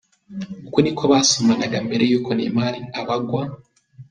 uku niko basomanaga mbere y’uko Neymar abagwa.